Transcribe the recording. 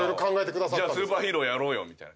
「じゃあスーパーヒーローやろうよ」